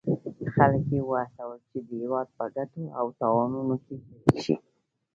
خلک یې وهڅول چې د هیواد په ګټو او تاوانونو کې شریک شي.